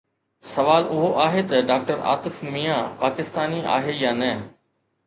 سوال اهو آهي ته ڊاڪٽر عاطف ميان پاڪستاني آهي يا نه؟